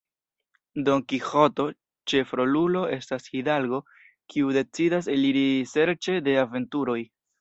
Don Kiĥoto, ĉefrolulo, estas hidalgo kiu decidas eliri serĉe de aventuroj.